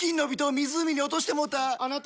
湖に落としてもうた！